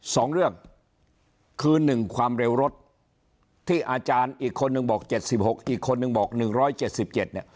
สองเรื่องคือหนึ่งความเร็วรถที่อาจารย์อีกคนนึงบอก๗๖อีกคนนึงบอก๑๗๗เนี่ย